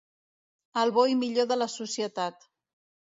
El bo i millor de la societat.